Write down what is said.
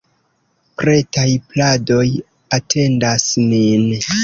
Pretaj pladoj atendas nin!